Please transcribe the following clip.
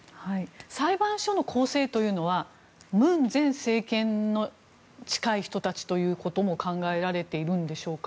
裁判所の構成というのは文前政権に近い人たちということも考えられているんでしょうか。